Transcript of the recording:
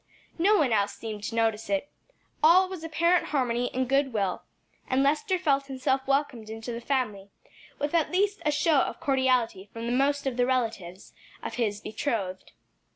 No one else seemed to notice it; all was apparent harmony and good will, and Lester felt himself welcomed into the family with at least a show of cordiality from the most of the relatives of his betrothed.